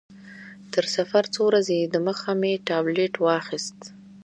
تر سفر څو ورځې دمخه مې ټابلیټ واخیست.